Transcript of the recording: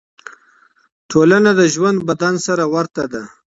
ټولنه د ژوندي بدن سره ورته ده.